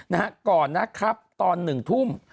นะฮะก่อนนะครับตอนหนึ่งทุ่ม